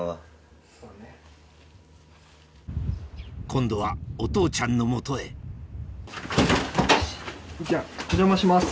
今度はお父ちゃんの元へお邪魔します。